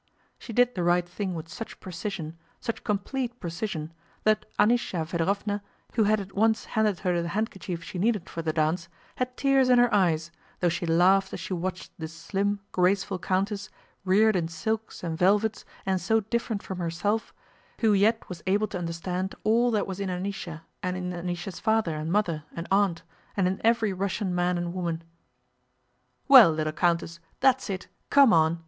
She did the right thing with such precision, such complete precision, that Anísya Fëdorovna, who had at once handed her the handkerchief she needed for the dance, had tears in her eyes, though she laughed as she watched this slim, graceful countess, reared in silks and velvets and so different from herself, who yet was able to understand all that was in Anísya and in Anísya's father and mother and aunt, and in every Russian man and woman. "Well, little countess; that's it—come on!"